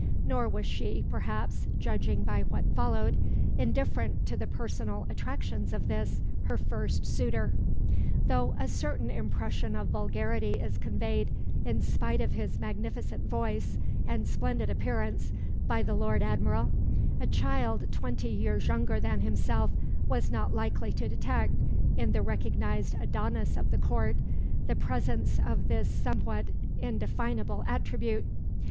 Nor was she, perhaps, judging by what followed, indifferent to the personal attractions of this, her first suitor. Though a certain impression of vulgarity is conveyed, in spite of his magnificent voice and splendid appearance, by the Lord Admiral, a child twenty years younger than himself was not likely to detect, in the recognised Adonis of the Court, the presence of this somewhat indefinable attribute.